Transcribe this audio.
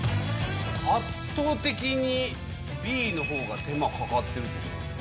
圧倒的にＢのほうが手間かかってると思う。